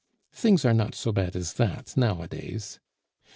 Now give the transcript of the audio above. Things are not so bad as that nowadays.